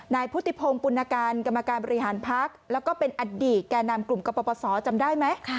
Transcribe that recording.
นายพุทธิพงศ์ปุณการกรรมการบริหารพักแล้วก็เป็นอดีตแก่นำกลุ่มกปศจำได้ไหม